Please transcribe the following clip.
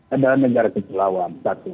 adalah negara kecelawang satu